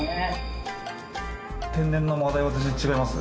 天然の真鯛は全然違います？